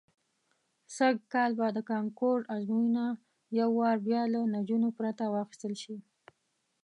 سږ کال به د کانکور ازموینه یو وار بیا له نجونو پرته واخیستل شي.